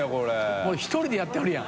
もう１人でやってるやん。